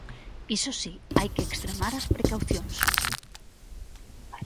Iso si, hai que extremar as precaucións.